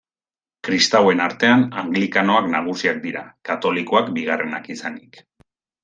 Kristauen artean, anglikanoak nagusiak dira, katolikoak bigarrenak izanik.